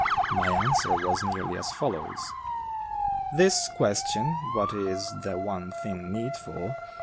My answer was nearly as follows: "This question 'what is the one thing needful?